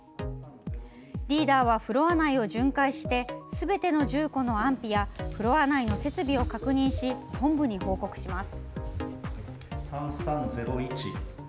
リーダーはフロア内を巡回して全ての住戸の安否やフロア内の設備を確認し報告します。